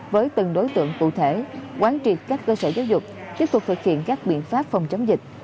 với từng đối tượng cụ thể quán triệt các cơ sở giáo dục tiếp tục thực hiện các biện pháp phòng chống dịch